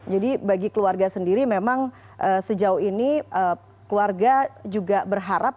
bagi keluarga sendiri memang sejauh ini keluarga juga berharap